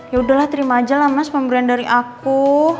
ya udahlah terima aja lah mas pemberian dari aku